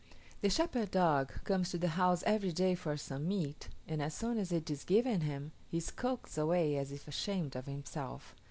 The shepherd dog comes to the house every day for some meat, and as soon as it is given him, he skulks away as if ashamed of himself.